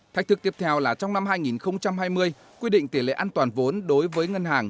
thách thức tiếp theo là trong năm hai nghìn hai mươi quy định tỷ lệ an toàn vốn đối với ngân hàng